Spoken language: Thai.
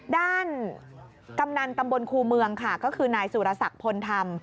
กำนันตำบลครูเมืองค่ะก็คือนายสุรศักดิ์พลธรรม